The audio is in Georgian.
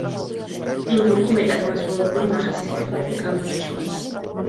ლიმბურგი მეტად განსხვავებული მახასიათებლებით გამოირჩევა.